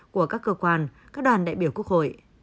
của các cơ quan các đoàn đại biểu quốc hội